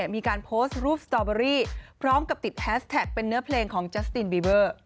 มีการโพสต์รูปสตอเบอรี่พร้อมกับติดแฮสแท็กเป็นเนื้อเพลงของจัสตินบีเวอร์